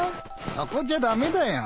そこじゃダメだよ。